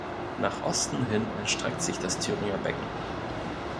Nach Osten hin erstreckt sich das Thüringer Becken.